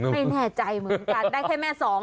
ไม่แน่ใจเหมือนกัน